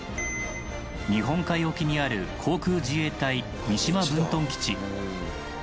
日本海沖にある航空自衛隊見島分屯基地。